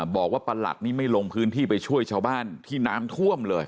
ประหลัดนี่ไม่ลงพื้นที่ไปช่วยชาวบ้านที่น้ำท่วมเลย